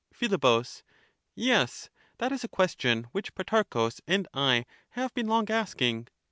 Phi, Yes, that is a question which Protarchus and I have been long asking.